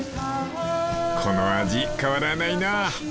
［この味変わらないな！］